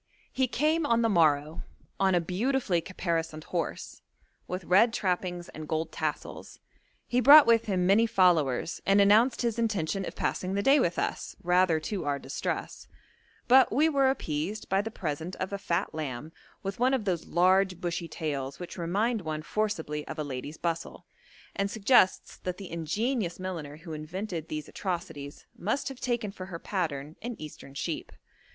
He came on the morrow, on a beautifully caparisoned horse, with red trappings and gold tassels. He brought with him many followers and announced his intention of passing the day with us, rather to our distress; but we were appeased by the present of a fat lamb with one of those large bushy tails which remind one forcibly of a lady's bustle, and suggests that the ingenious milliner who invented these atrocities must have taken for her pattern an Eastern sheep.